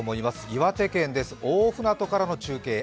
岩手県です、大船渡からの中継。